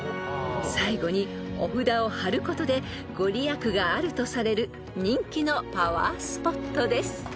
［最後にお札をはることで御利益があるとされる人気のパワースポットです］